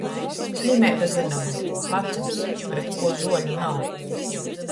Slimeiba zynoma — vacums, pret kū zuoļu nav.